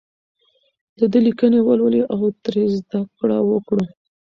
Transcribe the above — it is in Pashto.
د ده لیکنې ولولو او ترې زده کړه وکړو.